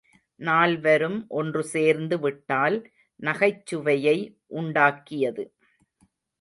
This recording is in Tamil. நால்வரும் ஒன்று சேர்ந்து விட்டால் நகைச்சுவையை உண்டாக்கியது.